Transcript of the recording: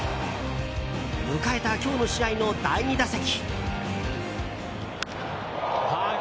迎えた今日の試合の第２打席。